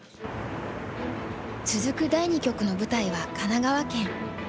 続く第二局の舞台は神奈川県。